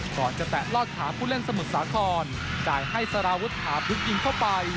ก่อนจะแตะลอดขาผู้เล่นสมุทรสาครจ่ายให้สารวุฒาพึกยิงเข้าไป